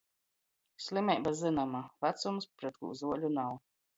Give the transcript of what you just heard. Slimeiba zynoma — vacums, pret kū zuoļu nav.